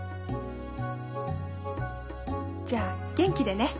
じゃ元気でね。